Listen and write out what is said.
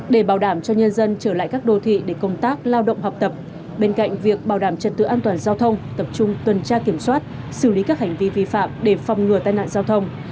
để bảo đảm cho nhân dân trở lại các đô thị để công tác lao động học tập bên cạnh việc bảo đảm trật tự an toàn giao thông tập trung tuần tra kiểm soát xử lý các hành vi vi phạm để phòng ngừa tai nạn giao thông